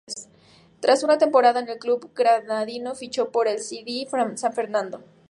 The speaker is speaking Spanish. Tras una temporada en el club granadino fichó por el C. D. San Fernando.